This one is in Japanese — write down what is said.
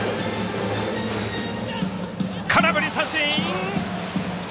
空振り三振！